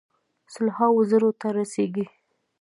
سل هاوو زرو ته رسیږي.